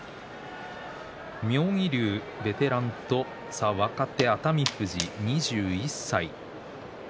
妙義龍ベテランと熱海富士、若手２１歳。